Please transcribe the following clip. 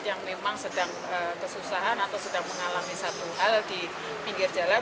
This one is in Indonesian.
yang memang sedang kesusahan atau sedang mengalami satu hal di pinggir jalan